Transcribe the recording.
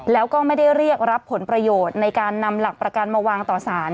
แล้วก็ไม่ได้เรียกรับผลประโยชน์ในการนำหลักประกันมาวางต่อสาร